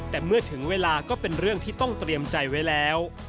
แต่เมื่อถึงเวลาก็เป็นเรื่องที่ต้องเตรียมใจไว้แล้ว